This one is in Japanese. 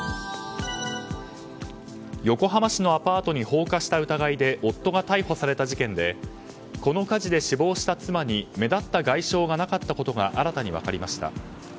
横浜市のアパートに放火した疑いで夫が逮捕された事件でこの火事で死亡した妻に目立った外傷がなかったことが新たに分かりました。